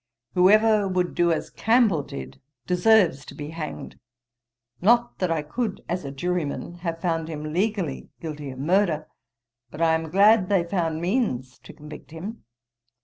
'Whoever would do as Campbell did, deserves to be hanged; not that I could, as a juryman, have found him legally guilty of murder; but I am glad they found means to convict him.'